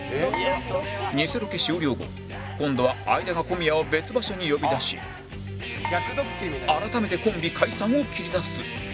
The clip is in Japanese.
偽ロケ終了後今度は相田が小宮を別場所に呼び出し改めてコンビ解散を切り出す